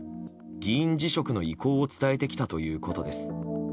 議員辞職の意向を伝えてきたということです。